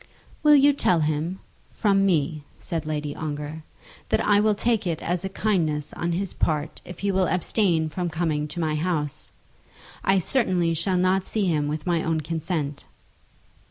"Will you tell him, from me," said Lady Ongar, "that I will take it as a kindness on his part if he will abstain from coming to my house. I certainly shall not see him with my own consent."